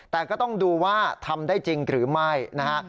แต่ก็ต้องดูว่าทำได้จริงหรือไม่นะฮะ